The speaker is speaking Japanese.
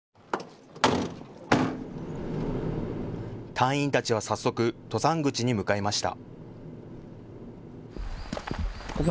隊員たちは早速、登山口に向かいました。